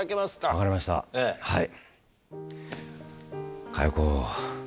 分かりましたはい。